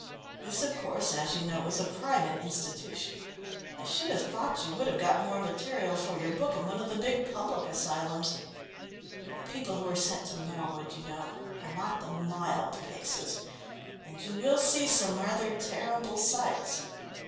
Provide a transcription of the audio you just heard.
This, of course, as you know, is a private institution. I should have thought you would have got more material for your book in one of the big public asylums. The people who are sent to Norwood, you know, are not the mild cases, and you will see some rather terrible sights.